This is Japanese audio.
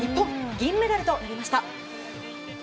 銀メダルとなりました。